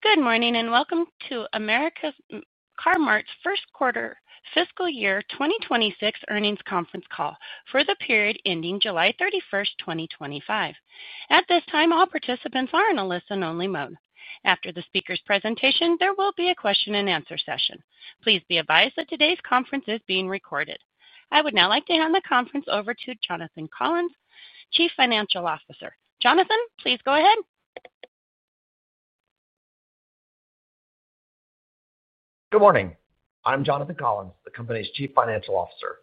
Good morning, and welcome to America's Car Mart's First Quarter Fiscal Year twenty twenty six Earnings Conference Call for the period ending 07/31/2025. At this time, all participants are in a listen only mode. After the speakers' presentation, there will be a question and answer session. Please be advised that today's conference is being recorded. I would now like to hand the conference over to Jonathan Collins, Chief Financial Officer. Jonathan, please go ahead. Good morning. I'm Jonathan Collins, the company's Chief Financial Officer.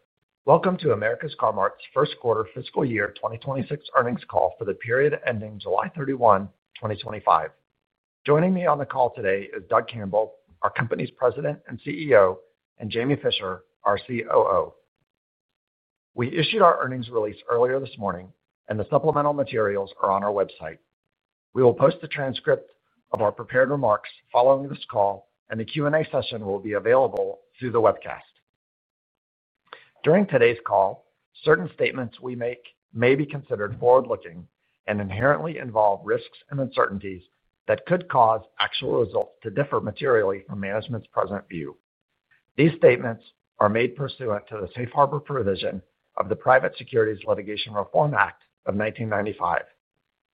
Welcome to America's Car Mart's first quarter fiscal year twenty twenty six earnings call for the period ending 07/31/2025. Joining me on the call today is Doug Campbell, our company's President and CEO and Jamie Fisher, our COO. We issued our earnings release earlier this morning, and the supplemental materials are on our website. We will post the transcript of our prepared remarks following this call, and the Q and A session will be available through the webcast. During today's call, certain statements we make may be considered forward looking and inherently involve risks and uncertainties that could cause actual results to differ materially from management's present view. These statements are made pursuant to the Safe Harbor provision of the Private Securities Litigation Reform Act of 1995.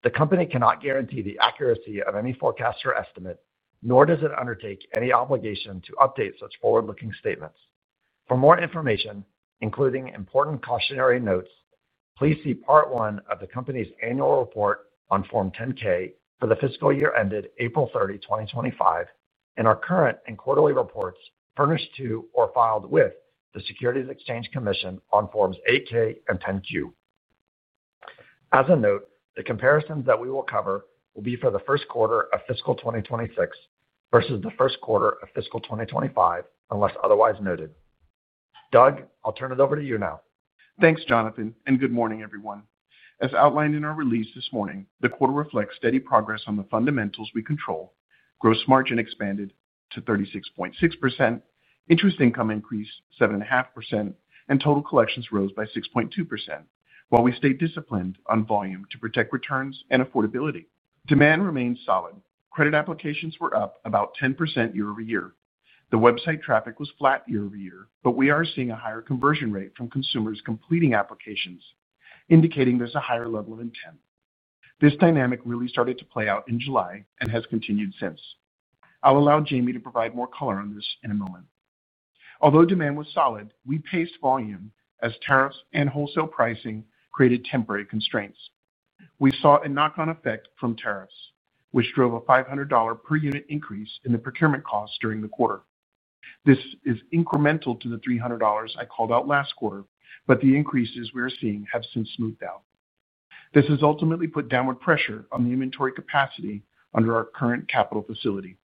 The company cannot guarantee the accuracy of any forecast or estimate nor does it undertake any obligation to update such forward looking statements. For more information, including important cautionary notes, please see Part one of the company's annual report on Form 10 ks for the fiscal year ended 04/30/2025, and our current and quarterly reports furnished to or filed with the Securities and Exchange Commission on Forms eight ks and 10 Q. As a note, the comparisons that we will cover will be for the 2026 versus the 2025, unless otherwise noted. Doug, I'll turn it over to you now. Thanks, Jonathan, and good morning, everyone. As outlined in our release this morning, the quarter reflects steady progress on the fundamentals we control. Gross margin expanded to 36.6%, interest income increased 7.5%, and total collections rose by 6.2%, while we stayed disciplined on volume to protect returns and affordability. Demand remained solid. Credit applications were up about 10% year over year. The website traffic was flat year over year, but we are seeing a higher conversion rate from consumers completing applications, indicating there's a higher level of intent. This dynamic really started to play out in July and has continued since. I'll allow Jamie to provide more color on this in a moment. Although demand was solid, we paced volume as tariffs and wholesale pricing created temporary constraints. We saw a knock on effect from tariffs, which drove a $500 per unit increase in the procurement costs during the quarter. This is incremental to the $300 I called out last quarter, but the increases we are seeing have since smoothed out. This has ultimately put downward pressure on the inventory capacity under our current capital facility.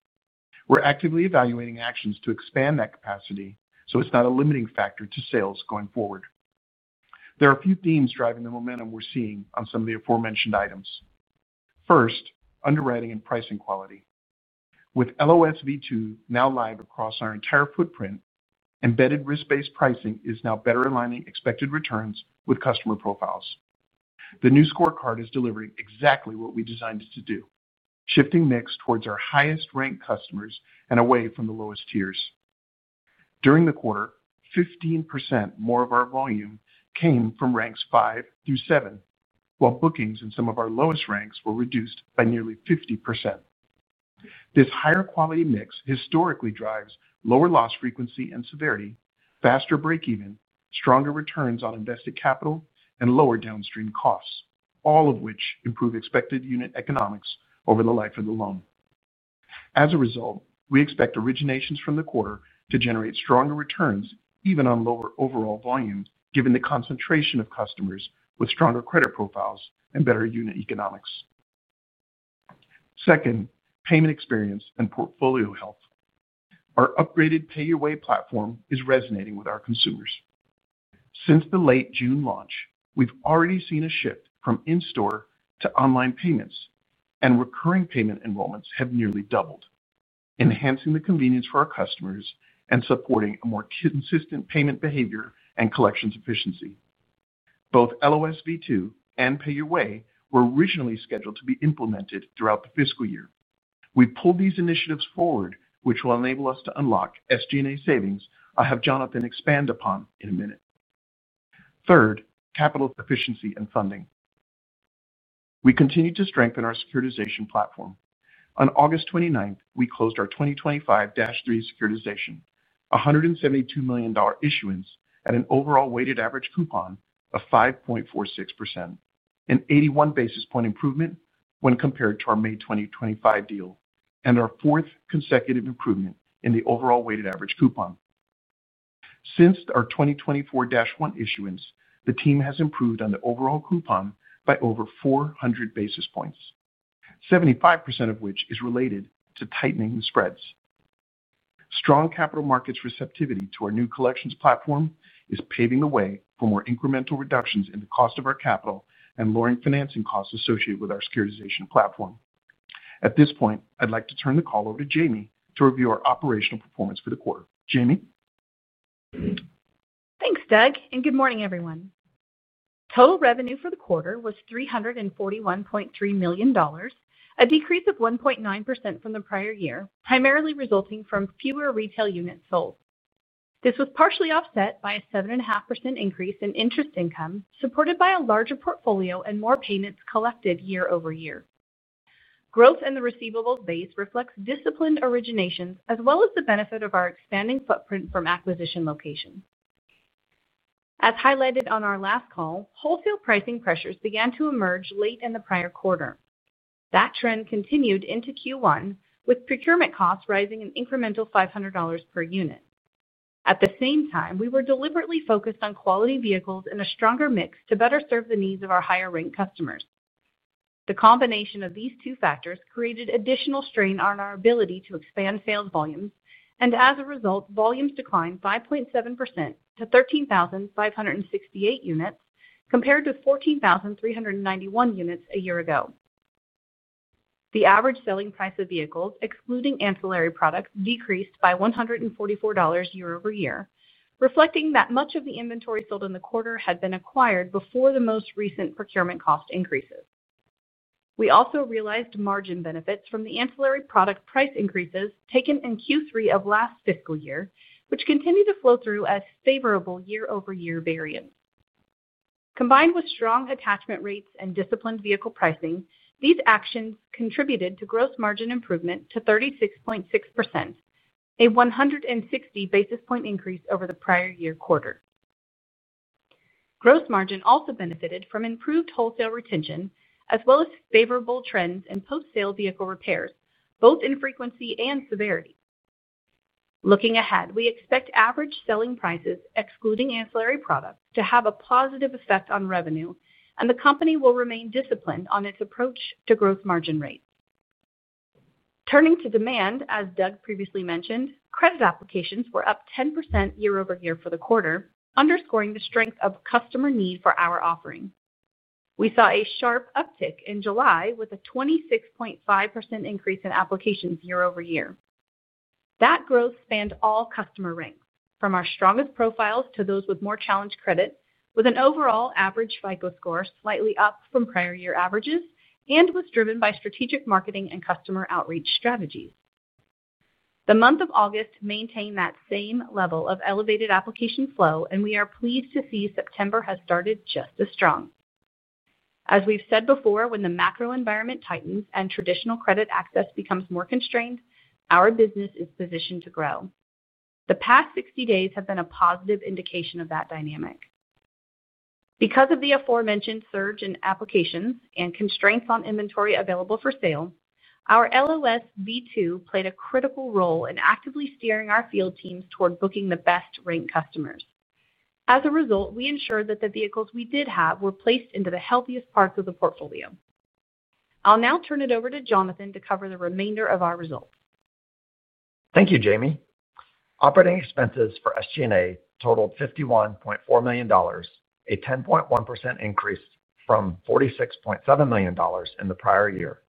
We're actively evaluating actions to expand that capacity, so it's not a limiting factor to sales going forward. There are a few themes driving the momentum we're seeing on some of the aforementioned items. First, underwriting and pricing quality. With LOS V2 now live across our entire footprint, embedded risk based pricing is now better aligning expected returns with customer profiles. The new scorecard is delivering exactly what we designed it to do, shifting mix towards our highest ranked customers and away from the lowest tiers. During the quarter, 15% more of our volume came from ranks five through seven, while bookings in some of our lowest ranks were reduced by nearly 50%. This higher quality mix historically drives lower loss frequency and severity, faster breakeven, stronger returns on invested capital, and lower downstream costs, all of which improve expected unit economics over the life of the loan. As a result, we expect originations from the quarter to generate stronger returns even on lower overall volumes, given the concentration of customers with stronger credit profiles and better unit economics. Second, payment experience and portfolio health. Our upgraded Pay Your Way platform is resonating with our consumers. Since the late June launch, we've already seen a shift from in store to online payments, and recurring payment enrollments have nearly doubled, enhancing the convenience for our customers and supporting a more consistent payment behavior and collections efficiency. Both LOS V2 and Pay Your Way were originally scheduled to be implemented throughout the fiscal year. We pulled these initiatives forward, which will enable us to unlock SG and A savings. I'll have Jonathan expand upon in a minute. Third, capital efficiency and funding. We continue to strengthen our securitization platform. On August 29, we closed our twenty twenty five-three seconduritization, dollars 172,000,000 issuance at an overall weighted average coupon of 5.46%, an 81 basis point improvement when compared to our May 2025 deal and our fourth consecutive improvement in the overall weighted average coupon. Since our twenty twenty four-one issuance, the team has improved on the overall coupon by over 400 basis points, 75% of which is related to tightening the spreads. Strong capital markets receptivity to our new collections platform is paving the way for more incremental reductions in the cost of our capital and lowering financing costs associated with our securitization platform. At this point, I'd like to turn the call over to Jamie to review our operational performance for the quarter. Jamie? Thanks, Doug, and good morning, everyone. Total revenue for the quarter was $341,300,000 a decrease of 1.9% from the prior year, primarily resulting from fewer retail units sold. This was partially offset by a 7.5% increase in interest income, supported by a larger portfolio and more payments collected year over year. Growth in the receivables base reflects disciplined originations as well as the benefit of our expanding footprint from acquisition locations. As highlighted on our last call, wholesale pricing pressures began to emerge late in the prior quarter. That trend continued into Q1 with procurement costs rising an incremental $500 per unit. At the same time, we were deliberately focused on quality vehicles and a stronger mix to better serve the needs of our higher rank customers. The combination of these two factors created additional strain on our ability to expand sales volumes. And as a result, volumes declined 5.7% to 13,568 units compared to 14,391 units a year ago. The average selling price of vehicles, excluding ancillary products, decreased by $144 year over year, reflecting that much of the inventory sold in the quarter had been acquired before the most recent procurement cost increases. We also realized margin benefits from the ancillary product price increases taken in Q3 of last fiscal year, which continue to flow through as favorable year over year variance. Combined with strong attachment rates and disciplined vehicle pricing, these actions contributed to gross margin improvement to 36.6, a 160 basis point increase over the prior year quarter. Gross margin also benefited from improved wholesale retention as well as favorable trends in post sale vehicle repairs, both in frequency and severity. Looking ahead, we expect average selling prices, excluding ancillary products, to have a positive effect on revenue, and the company will remain disciplined on its approach to gross margin rate. Turning to demand, as Doug previously mentioned, credit applications were up 10% year over year for the quarter, underscoring the strength of customer need for our offering. We saw a sharp uptick in July with a 26.5% increase in applications year over year. That growth spanned all customer ranks, from our strongest profiles to those with more challenged credit, with an overall average FICO score slightly up from prior year averages and was driven by strategic marketing and customer outreach strategies. The month of August maintained that same level of elevated application flow, and we are pleased to see September has started just as strong. As we've said before, when the macro environment tightens and traditional credit access becomes more constrained, our business is positioned to grow. The past sixty days have been a positive indication of that dynamic. Because of the aforementioned surge in applications and constraints on inventory available for sale, our LOS V2 played a critical role in actively steering our field teams toward booking the best ranked customers. As a result, we ensured that the vehicles we did have were placed into the healthiest parts of the portfolio. I'll now turn it over to Jonathan to cover the remainder of our results. Thank you, Jamie. Operating expenses for SG and A totaled $51,400,000 a 10.1% increase from $46,700,000 in the prior year.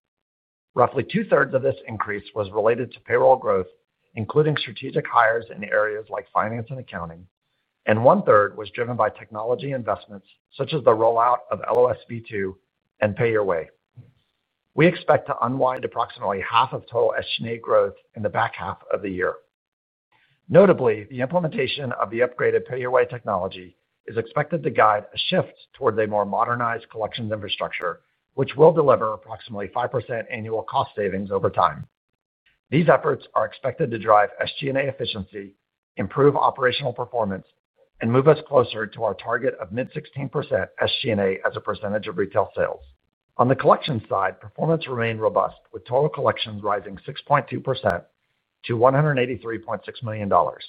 Roughly two thirds of this increase was related to payroll growth, including strategic hires in areas like finance and accounting, and one third was driven by technology investments such as the rollout of LOS V2 and Pay Your Way. We expect to unwind approximately half of total SG and A growth in the back half of the year. Notably, the implementation of the upgraded Pay Your Way technology is expected to guide a shift towards a more modernized collections infrastructure, which will deliver approximately 5% annual cost savings over time. These efforts are expected to drive SG and A efficiency, improve operational performance and move us closer to our target of mid-sixteen percent SG and A as a percentage of retail sales. On the collections side, performance remained robust with total collections rising 6.2% to $183,600,000 This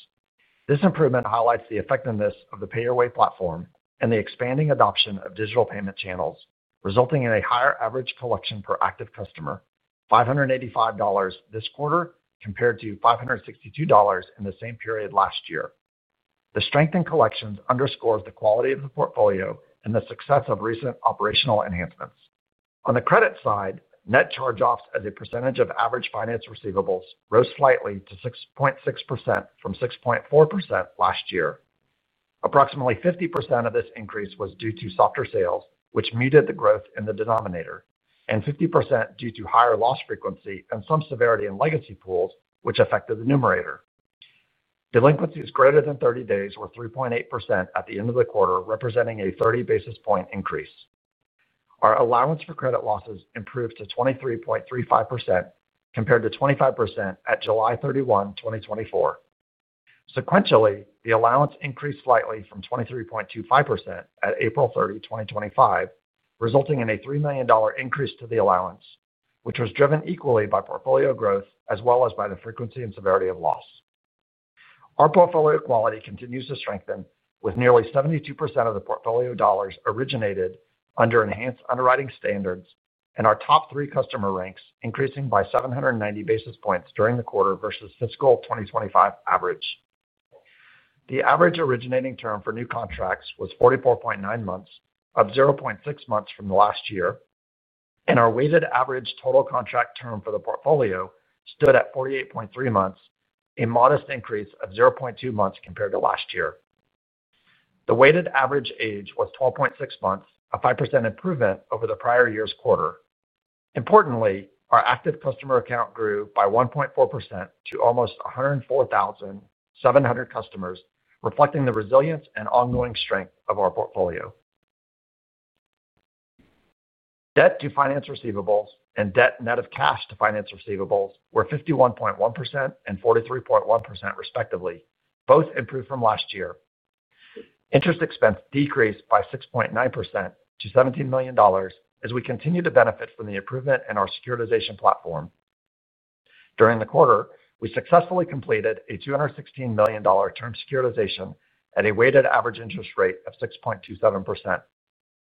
improvement highlights the effectiveness of the PayYourWay platform and the expanding adoption of digital payment channels, resulting in a higher average collection per active customer, dollars $5.85 this quarter compared to $562 in the same period last year. The strength in collections underscores the quality of the portfolio and the success of recent operational enhancements. On the credit side, net charge offs as a percentage of average finance receivables rose slightly to 6.6% from 6.4% last year. Approximately 50% of this increase was due to softer sales, which muted the growth in the denominator and 50% due to higher loss frequency and some severity in legacy pools, which affected the numerator. Delinquencies greater than thirty days or 3.8% at the end of the quarter, representing a 30 basis point increase. Our allowance for credit losses improved to 23.35% compared to 25% at 07/31/2024. Sequentially, the allowance increased slightly from 23.25% at 04/30/2025, resulting in a $3,000,000 increase to the allowance, which was driven equally by portfolio growth as well as by the frequency and severity of loss. Our portfolio quality continues to strengthen with nearly 72% of the portfolio dollars originated under enhanced underwriting standards and our top three customer ranks increasing by seven ninety basis points during the quarter versus fiscal twenty twenty five average. The average originating term for new contracts was forty four point nine months, up zero point six months from last year. And our weighted average total contract term for the portfolio stood at forty eight point three months, a modest increase of zero point two months compared to last year. The weighted average age was twelve point six months, a 5% improvement over the prior year's quarter. Importantly, our active customer account grew by 1.4% to almost 104,700 customers, reflecting the resilience and ongoing strength of our portfolio. Debt to finance receivables and debt net of cash to finance receivables were 51.143.1%, respectively, both improved from last year. Interest expense decreased by 6.9% to $17,000,000 as we continue to benefit from the improvement in our securitization platform. During the quarter, we successfully completed a $216,000,000 term securitization at a weighted average interest rate of 6.27%.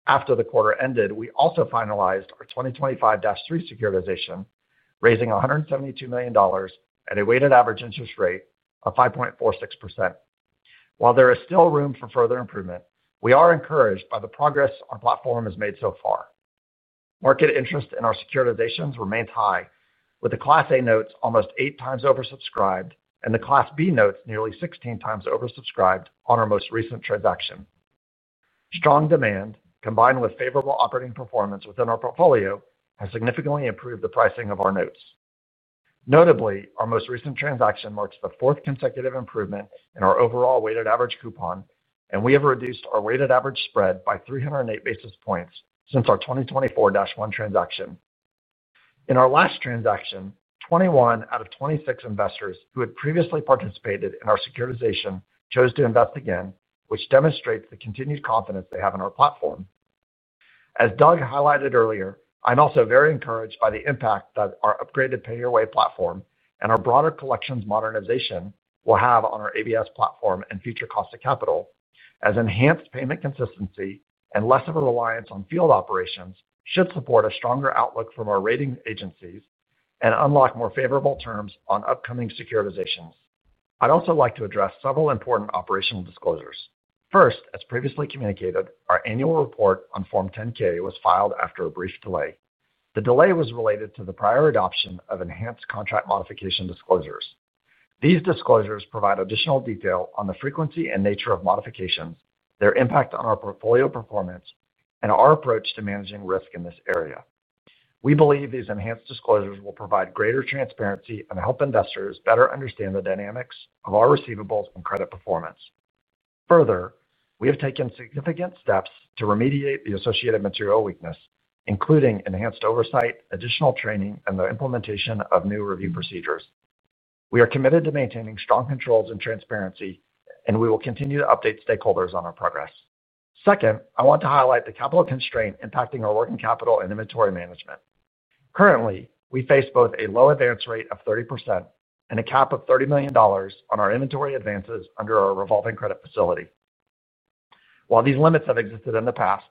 After the quarter ended, we also finalized our twenty twenty five-three seconduritization, raising $172,000,000 at a weighted average interest rate of 5.46%. While there is still room for further improvement, we are encouraged by the progress our platform has made so far. Market interest in our securitizations remains high, with the Class A notes almost eight times oversubscribed and the Class B notes nearly 16 times oversubscribed on our most recent transaction. Strong demand, combined with favorable operating performance within our portfolio, has significantly improved the pricing of our notes. Notably, our most recent transaction marks the fourth consecutive improvement in our overall weighted average coupon, and we have reduced our weighted average spread by three zero eight basis points since our twenty twenty four-one transaction. In our last transaction, 21 out of 26 investors who had previously participated in our securitization chose to invest again, which demonstrates the continued confidence they have in our platform. As Doug highlighted earlier, I'm also very encouraged by the impact that our upgraded Pay Your Way platform and our broader collections modernization will have on our ABS platform and future cost of capital, as enhanced payment consistency and less of a reliance on field operations should support a stronger outlook from our rating agencies and unlock more favorable terms on upcoming securitizations. I'd also like to address several important operational disclosures. First, as previously communicated, our annual report on Form 10 ks was filed after a brief delay. The delay was related to the prior adoption of enhanced contract modification disclosures. These disclosures provide additional detail on the frequency and nature of modifications, their impact on our portfolio performance and our approach to managing risk in this area. We believe these enhanced disclosures will provide greater transparency and help investors better understand the dynamics of our receivables and credit performance. Further, we have taken significant steps to remediate the associated material weakness, including enhanced oversight, additional training and the implementation of new review procedures. We are committed to maintaining strong controls and transparency, and we will continue to update stakeholders on our progress. Second, I want to highlight the capital constraint impacting our working capital and inventory management. Currently, we face both a low advance rate of 30% and a cap of $30,000,000 on our inventory advances under our revolving credit facility. While these limits have existed in the past,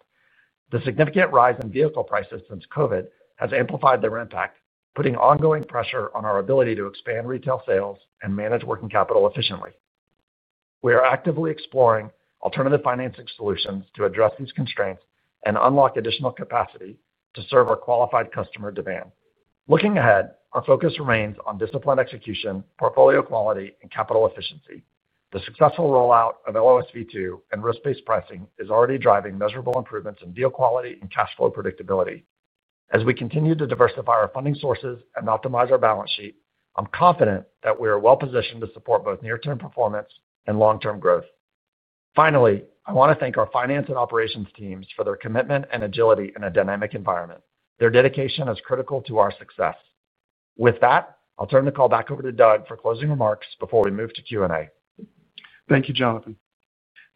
the significant rise in vehicle prices since COVID has amplified their impact, putting ongoing pressure on our ability to expand retail sales and manage working capital efficiently. We are actively exploring alternative financing solutions to address these constraints and unlock additional capacity to serve our qualified customer demand. Looking ahead, our focus remains on disciplined execution, portfolio quality and capital efficiency. The successful rollout of LOS V2 and risk based pricing is already driving measurable improvements in deal quality and cash flow predictability. As we continue to diversify our funding sources and optimize our balance sheet, I'm confident that we are well positioned to support both near term performance and long term growth. Finally, I want to thank our finance and operations teams for their commitment and agility in a dynamic environment. Their dedication is critical to our success. With that, I'll turn the call back over to Doug for closing remarks before we move to Q and A. Thank you, Jonathan.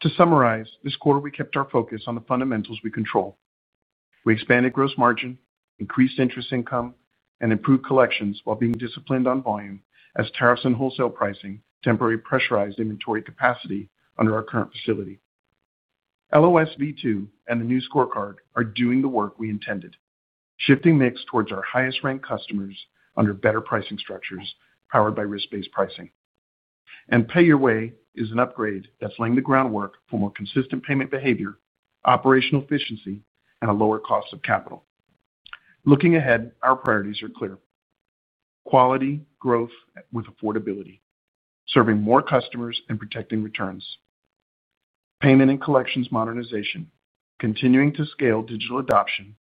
To summarize, this quarter we kept our focus on the fundamentals we control. We expanded gross margin, increased interest income and improved collections while being disciplined on volume as tariffs and wholesale pricing temporary pressurized inventory capacity under our current facility. LOS V2 and the new scorecard are doing the work we intended, shifting mix towards our highest ranked customers under better pricing structures powered by risk based pricing. And Pay Your Way is an upgrade that's laying the groundwork for more consistent payment behavior, operational efficiency and a lower cost of capital. Looking ahead, our priorities are clear: quality, growth with affordability serving more customers and protecting returns payment and collections modernization continuing to scale digital adoption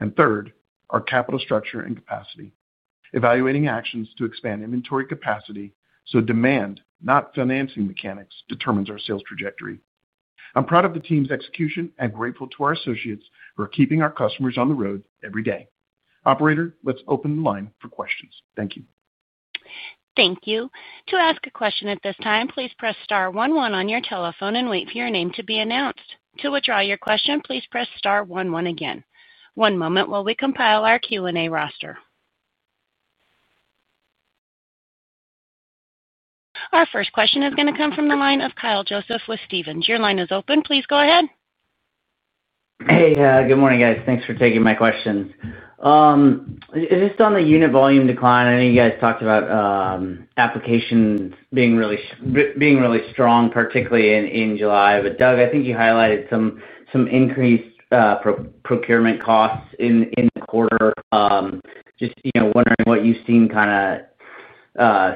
and third, our capital structure and capacity evaluating actions to expand inventory capacity so demand, not financing mechanics, determines our sales trajectory. I'm proud of the team's execution and grateful to our associates who are keeping our customers on the road every day. Operator, let's open the line for questions. Thank you. Thank you. Our first question is going to come from the line of Kyle Joseph with Stephens. Your line is open. Please go ahead. Hey, good morning guys. Thanks for taking my questions. Just on the unit volume decline, I know you guys talked about applications being really strong particularly in July. But Doug, I think you highlighted some increased procurement costs in the quarter. Just wondering what you've seen kind of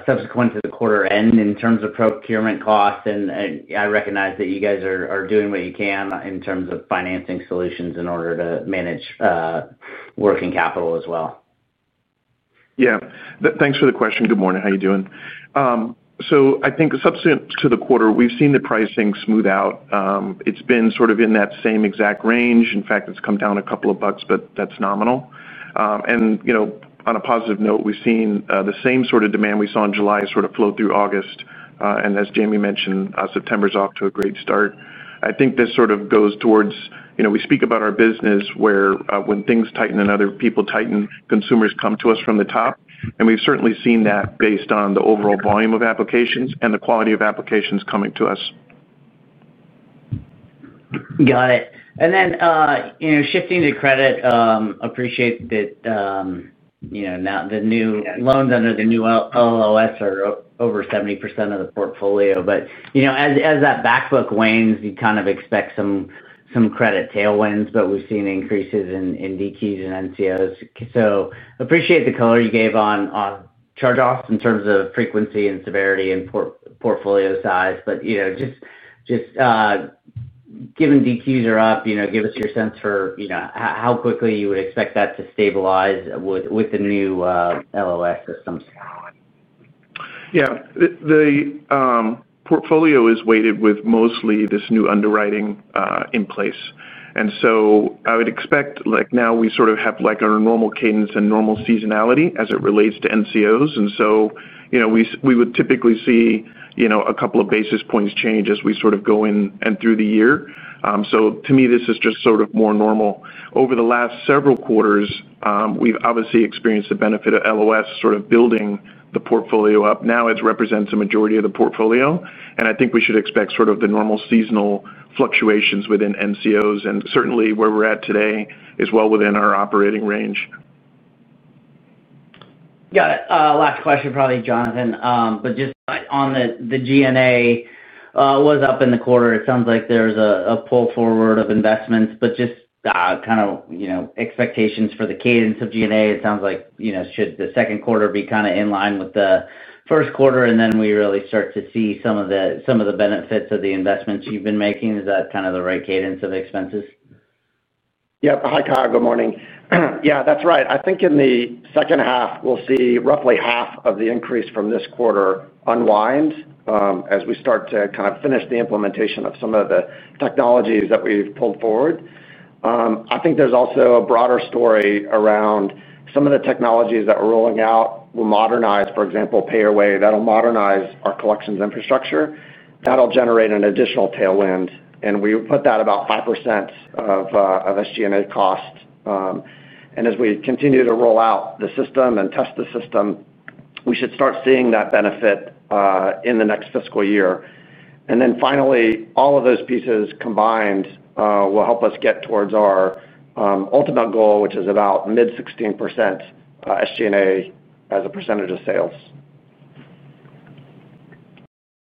subsequent to the quarter end in terms of procurement costs. And I recognize that you guys are doing what you can in terms of financing solutions in order to manage working capital as well. Yes. Thanks for the question. Good morning. How are doing? So I think subsequent to the quarter, we've seen the pricing smooth out. It's been sort of in that same exact range. In fact, it's come down a couple of bucks, but that's nominal. And on a positive note, we've seen the same sort of demand we saw in July sort of flow through August. And as Jamie mentioned, September is off to a great start. I think this sort of goes towards we speak about our business where when things tighten and other people tighten, consumers come to us from the top. And we've certainly seen that based on the overall volume of applications and the quality applications coming to us. Got it. And then shifting to credit, appreciate that the new loans under the new LOS are over 70% of the portfolio. But as that back book wanes, you kind of expect some credit tailwinds, but we've seen increases in DQs and NCOs. So appreciate the color you gave on charge offs in terms of frequency and severity and portfolio size. But just given DQs are up, give us your sense for how quickly you would expect that to stabilize with the new LOS systems? Yes. The portfolio is weighted with mostly this new underwriting in place. And so I would expect like now we sort of have like our normal cadence and normal seasonality as it relates to NCOs. And we would typically see a couple of basis points change as we sort of go in and through the year. So to me, this is just sort of more normal. Over the last several quarters, we've obviously experienced the benefit of LOS sort of building the portfolio up. Now it represents a majority of the portfolio. And I think we should expect sort of the normal seasonal fluctuations within MCOs. And certainly, where we're at today is well within our operating range. Got it. Last question probably Jonathan. But just on the G and A was up in the quarter. It sounds like there's a pull forward of investments, but just kind of expectations for the cadence of G and A. It sounds like should the second quarter be kind of in line with the first quarter and then we really start to see some of the benefits of the investments you've been making? Is that kind of the right cadence of expenses? Yes. Hi, Kyle. Good morning. Yes, that's right. I think in the second half, we'll see roughly half of the increase from this quarter unwind, as we start to kind of finish the implementation of some of the technologies that we've pulled forward. I think there's also a broader story around some of the technologies that we're rolling out, we'll modernize, for example, Payer Way, that'll modernize our collections infrastructure. That'll generate an additional tailwind. And we put that about 5% of SG and A cost. And as we continue to roll out the system and test the system, we should start seeing that benefit in the next fiscal year. And then finally, all of those pieces combined will help us get towards our ultimate goal, which is about mid-sixteen percent SG and A as a percentage of sales.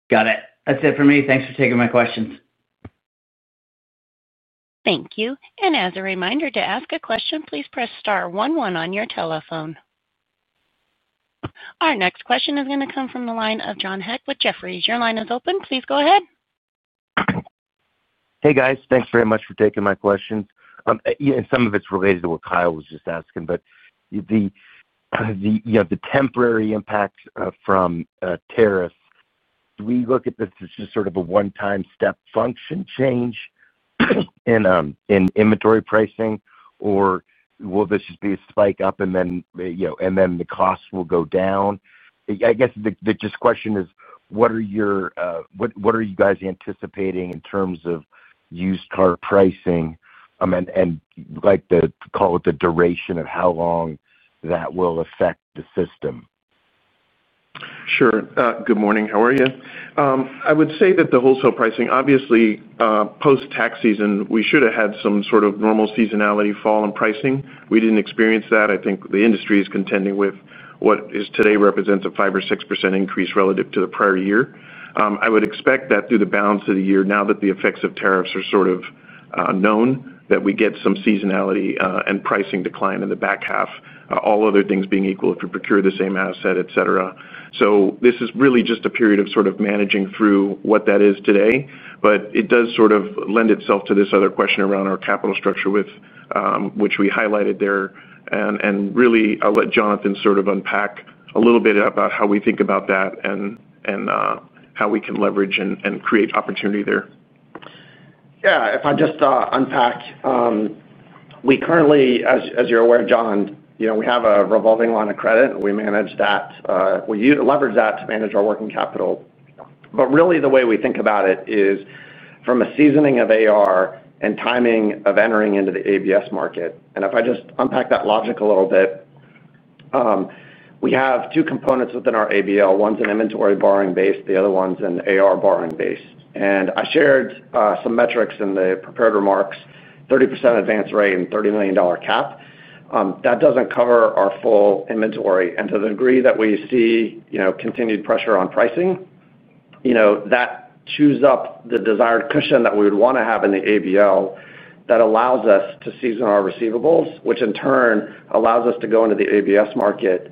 Got it. That's it for me. Thanks for taking my questions. Thank you. Our next question is going to come from the line of John Hecht with Jefferies. Your line is open. Please go ahead. Hey, guys. Thanks very much for taking my questions. Some of it's related to what Kyle was just asking. But the temporary impacts from tariffs, do we look at this as just sort of a onetime step function change in inventory pricing? Or will this just be a spike up and then the costs will go down? I guess the just question is what are your are you guys anticipating in terms of used car pricing? I mean, and like the call it the duration of how long that will affect the system? Sure. Good morning. How are you? I would say that the wholesale pricing, obviously, post tax season, we should have had some sort of normal seasonality fall in pricing. We didn't experience that. I think the industry is contending with what is today represents a 5% or 6% increase relative to the prior year. I would expect that through the balance of the year, now that the effects of tariffs are sort of known, that we get some seasonality and pricing decline in the back half, all other things being equal, if we procure the same asset, etcetera. So this is really just a period of sort of managing through what that is today. But it does sort of lend itself to this other question around our capital structure with, which we highlighted there. And really, I'll let Jonathan sort of unpack a little bit about how we think about that and how we can leverage and create opportunity there. Yes. If I just unpack, we currently as you're aware, John, we have a revolving line of credit. We manage that we leverage that to manage our working capital. But really the way we think about it is from a seasoning of AR and timing of entering into the ABS market. And if I just unpack that logic a little bit, we have two components within our ABL, one is an inventory borrowing base, the other one is an AR borrowing base. And I shared some metrics in the prepared remarks, 30% advance rate and $30,000,000 cap. That doesn't cover our full inventory. And to the degree that we see continued pressure on pricing, that chews up the desired cushion that we would want to have in the ABL that allows us to season our receivables, which in turn allows us to go into the ABS market,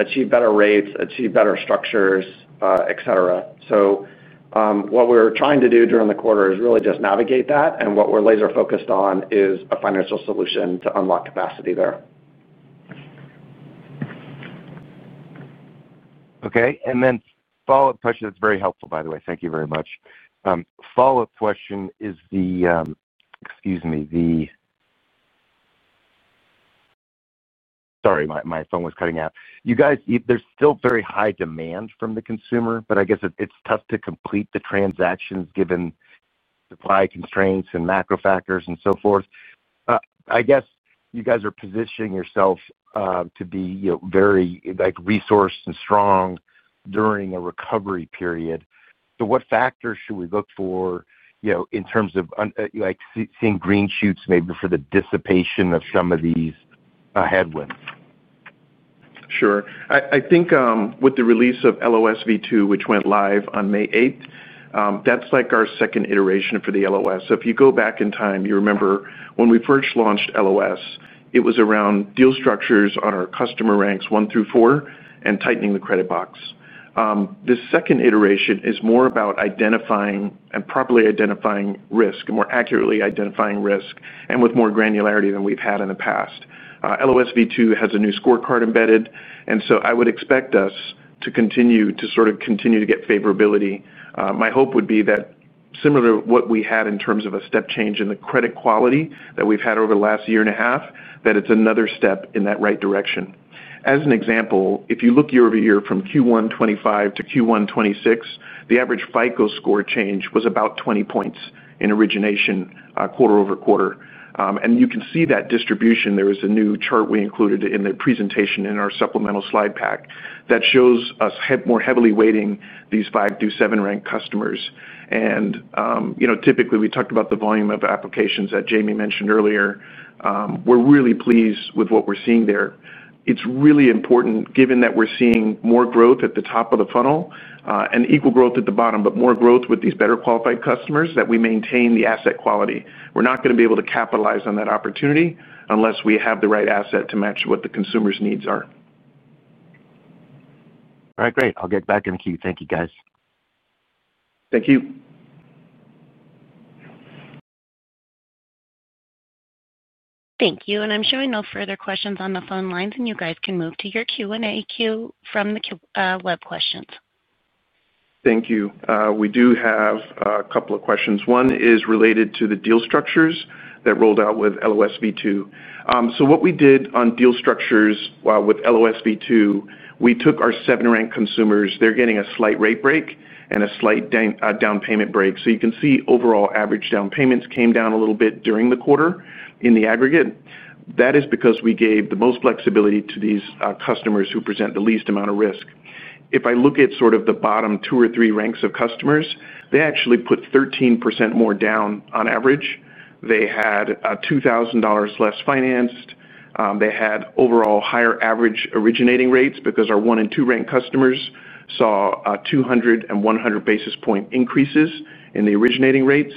achieve better rates, achieve better structures, etcetera. So, what we're trying to do during the quarter is really just navigate that and what we're laser focused on is a financial solution to unlock capacity there. Okay. And then follow-up question, it's very helpful by the way. Thank you very much. Follow-up question is the excuse me, the sorry, my phone was cutting out. You guys there's still very high demand from the consumer, but I guess it's tough to complete the transactions given supply constraints and macro factors and so forth. I guess you guys are positioning yourself to be very like resourced and strong during a recovery period. So what factors should we look for in terms of like seeing green shoots maybe for the dissipation of some of these headwinds? Sure. I think with the release of LOS V2, which went live on May 8, that's like our second iteration for the LOS. So if you go back in time, you remember when we first launched LOS, it was around deal structures on our customer ranks one through four and tightening the credit box. The second iteration is more about identifying and properly identifying risk, more accurately identifying risk and with more granularity than we've had in the past. LOS V2 has a new scorecard embedded. And so I would expect us to continue to sort of continue to get favorability. My hope would be that similar to what we had in terms of a step change in the credit quality that we've had over the last year and a half, that it's another step in that right direction. As an example, if you look year over year from Q1 twenty twenty five to Q1 twenty twenty six, the average FICO score change was about 20 points in origination quarter over quarter. And you can see that distribution, There was a new chart we included in the presentation in our supplemental slide pack that shows us more heavily weighting these five to seven rank customers. And typically, we talked about the volume of applications that Jamie mentioned earlier. We're really pleased with what we're seeing there. It's really important given that we're seeing more growth at the top of the funnel and equal growth at the bottom, but more growth with these better qualified customers that we maintain the asset quality. Not going to be able to capitalize on that opportunity unless we have the right asset to match what the consumers' needs are. All right, great. I'll get back in queue. Thank you, guys. Thank you. Thank you. And I'm showing no further questions on the phone lines and you guys can move to your Q and A queue from the web questions. Thank you. We do have a couple of questions. One is related to the deal structures that rolled out with LOS V2. So what we did on deal structures with LOS V2, we took our seven rank consumers, they're getting a slight rate break and a slight down payment break. So you can see overall average down payments came down a little bit during the quarter in the aggregate. That is because we gave the most flexibility to these customers who present the least amount of risk. If I look at sort of the bottom two or three ranks of customers, they actually put 13% more down on average. They had $2,000 less financed. They had overall higher average originating rates because our one and two rent customers saw two hundred and one hundred basis point increases in the originating rates.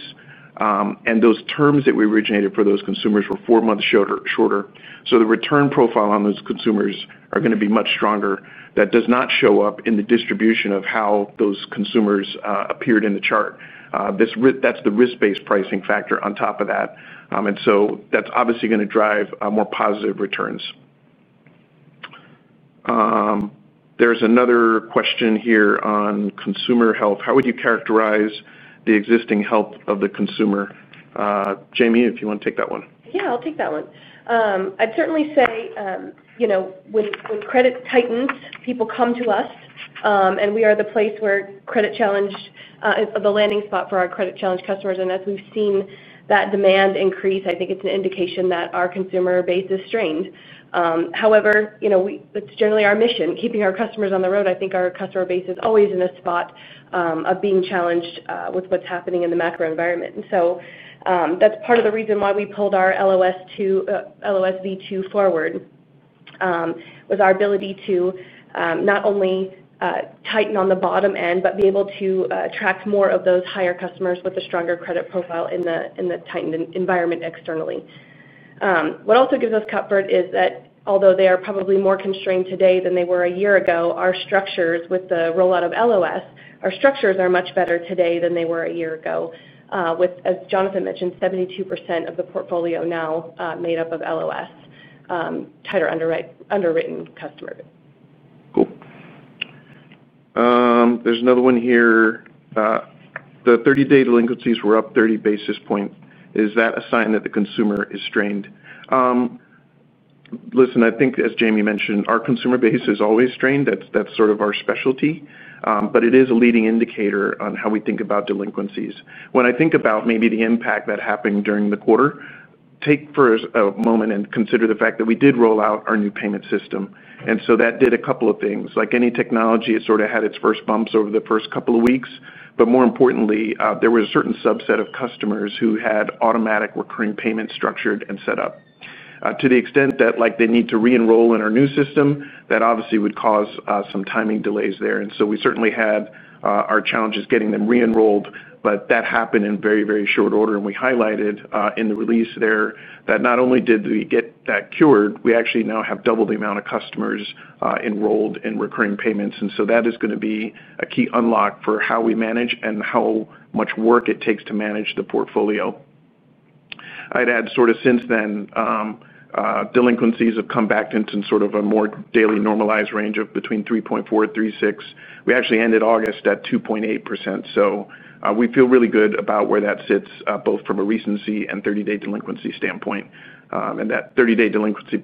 And those terms that we originated for those consumers were four months shorter. So the return profile on those consumers are going to be much stronger. That does not show up in the distribution of how those consumers appeared in the chart. That's the risk based pricing factor on top of that. And so that's obviously going to drive more positive returns. There's another question here on consumer health. How would you characterize the existing health of the consumer? Jamie, if you want to take that one. Yes, I'll take that one. I'd certainly say when credit tightens, people come to us, and we are the place where credit challenge is the landing spot for our credit challenged customers. And as we've seen that demand increase, I think it's an indication that our consumer base is strained. However, it's generally our mission, keeping our customers on the road. I think our customer base is always in a spot of being challenged with what's happening in the macro environment. And so that's part of the reason why we pulled our LOS V2 forward, was our ability to not only tighten on the bottom end, but be able to attract more of those higher customers with a stronger credit profile in the tightened environment externally. What also gives us comfort is that although they are probably more constrained today than they were a year ago, our structures with the rollout of LOS, our structures are much better today than they were a year ago. With, as Jonathan mentioned, 72 of the portfolio now made up of LOS, tighter underwritten customers. Cool. There's another one here. The thirty day delinquencies were up 30 basis points. Is that a sign that the consumer is strained? Listen, I think, as Jamie mentioned, our consumer base is always strained. That's sort of our specialty. But it is a leading indicator on how we think about delinquencies. When I think about maybe the impact that happened during the quarter, take first a moment and consider the fact that we did roll out our new payment system. And so that did a couple of things. Like any technology, it sort of had its first bumps over the first couple of weeks. But more importantly, there were a certain subset of customers who had automatic recurring payments structured and set up. To the extent that like they need to reenroll in our new system, that obviously would cause some timing delays there. And so we certainly had our challenges getting them reenrolled, but that happened in very, very short order. And we highlighted in the release there that not only did we get that cured, we actually now have doubled the amount of customers enrolled in recurring payments. And so that is going to be a key unlock for how we manage and how much work it takes to manage the portfolio. I'd add sort of since then, delinquencies have come back into sort of a more daily normalized range of between three point four percent and three point six percent. We actually ended August at 2.8%. So we feel really good about where that sits both from a recency and thirty day delinquency standpoint. And that thirty day delinquency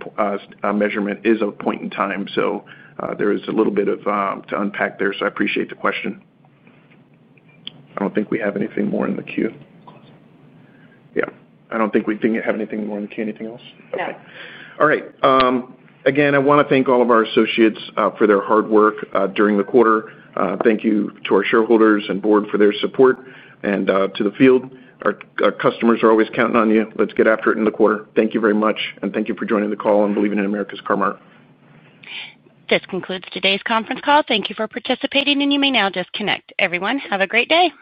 measurement is a point in time. So there is a little bit of to unpack there. So I appreciate the question. I don't think we have anything more in the queue. Yes. Don't think we have anything more in the queue. Anything else? No. All right. Again, I want to thank all of our associates for their hard work during the quarter. Thank you to our shareholders and Board for their support and to the field. Our customers are always counting on you. Let's get after it in the quarter. Thank you very much, and thank you for joining the call and believing in America's Car Mart. This concludes today's conference call. Thank you for participating, and you may now disconnect. Everyone, have a great day.